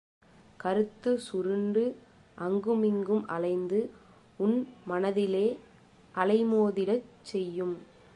கருத்து சுருண்டு அங்குமிங்கும் அலைந்து உன் மனதிலே அலைமோதிடச் செய்யும்.